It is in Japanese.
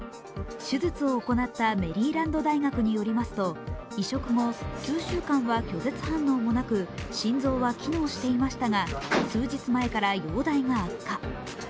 手術を行ったメリーランド大学によりますと、移殖後、数週間は拒絶反応もなく、心臓は機能していましたが数日前から容体が悪化。